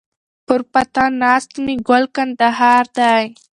پر پاتا ناست مي ګل کندهار دی